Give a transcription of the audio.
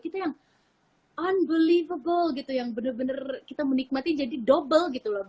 kita yang unbelievable gitu yang bener bener kita menikmati jadi double gitu loh